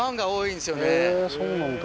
へぇそうなんだ。